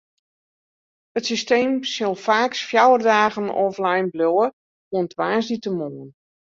It systeem sil faaks fjouwer dagen offline bliuwe, oant woansdeitemoarn.